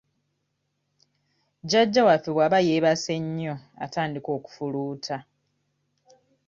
Jjajja waffe bw'aba yeebase nnyo atandika okufuluuta.